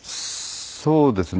そうですね。